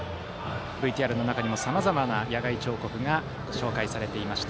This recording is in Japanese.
ＶＴＲの中にもさまざまな野外彫刻が出ました。